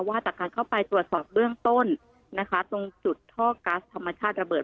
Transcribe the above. ว่าจากการเข้าไปตรวจสอบเบื้องต้นนะคะตรงจุดท่อกัสธรรมชาติระเบิด